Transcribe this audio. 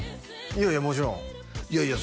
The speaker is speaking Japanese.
いやいやもちろんいやいや